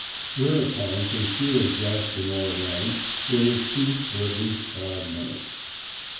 Whereupon, from sheer exhaustion all round, there was peace for at least five minutes.